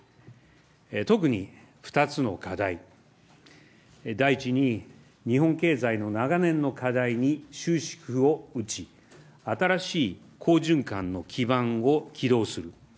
特に２つの課題、第１に、日本経済の長年の課題に終止符を打ち、新しい好循環の基盤を起動する。